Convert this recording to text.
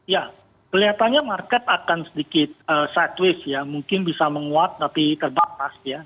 ya kelihatannya market akan sedikit sideways ya mungkin bisa menguat tapi terbatas ya